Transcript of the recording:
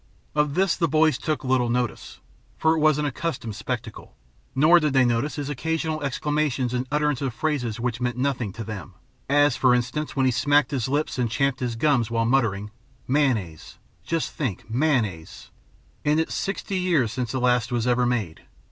Of this the boys took little notice, for it was an accustomed spectacle. Nor did they notice his occasional exclamations and utterances of phrases which meant nothing to them, as, for instance, when he smacked his lips and champed his gums while muttering: "Mayonnaise! Just think mayonnaise! And it's sixty years since the last was ever made!